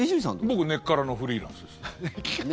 僕根っからのフリーランスです。